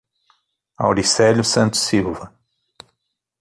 Auricelio Santos Silva